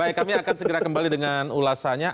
baik kami akan segera kembali dengan ulasannya